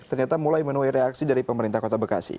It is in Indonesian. ternyata mulai menuai reaksi dari pemerintah kota bekasi